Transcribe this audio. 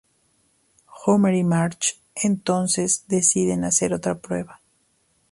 Homer y Marge, entonces, deciden hacer otra prueba.